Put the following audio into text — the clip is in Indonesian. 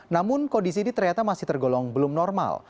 namun kondisi ini ternyata masih tergolong belum normal